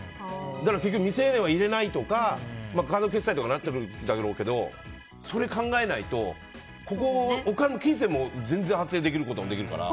結局、未成年は入れないとかカード決済とかなってくるんだろうけどそれを考えないとここ、金銭も全然発生させることもできるから。